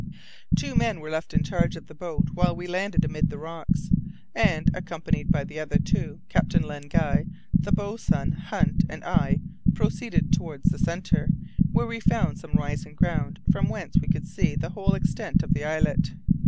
Two men were left in charge of the boat while we landed amid the rocks, and, accompanied by the other two, Captain Len Guy, the boatswain, Hunt and I proceeded towards the centre, where we found some rising ground, from whence we could see the whole extent of the islet.